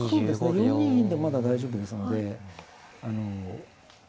４二銀でまだ大丈夫ですのであのまあ。